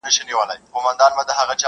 طبیعت د انسانانو نه بدلیږي!!